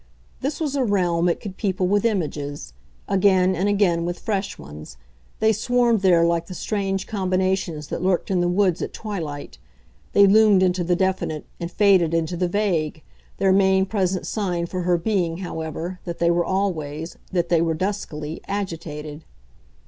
This was a realm it could people with images again and again with fresh ones; they swarmed there like the strange combinations that lurked in the woods at twilight; they loomed into the definite and faded into the vague, their main present sign for her being, however, that they were always, that they were duskily, agitated.